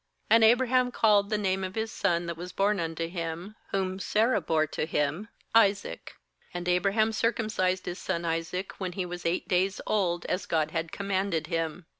3And Abraham called the name of his son that was born unto him, whom Sarah bore to him, Isaac. 4And Abra ham circumcised his son Isaac when he was eight days old, as God had commanded him.